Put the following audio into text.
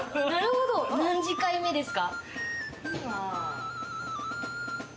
何次会目ですか？